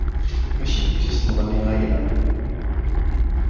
Maci d imsismeḍ-nni aya?